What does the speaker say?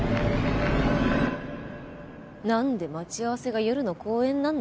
なんで待ち合わせが夜の公園なんだっての。